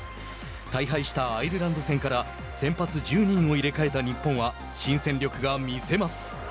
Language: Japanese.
大敗したアイルランド戦から先発１０人を入れ替えた日本は新戦力が見せます。